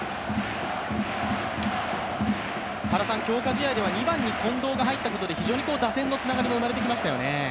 強化試合では２番に近藤が入ったことで打線のつながりも生まれてきましたよね。